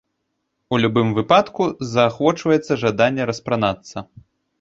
У любым выпадку, заахвочваецца жаданне распранацца.